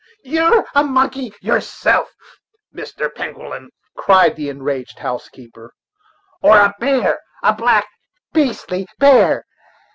"You're a monkey yourself, Mr. Penguillum," cried the enraged housekeeper, "or a bear a black, beastly bear!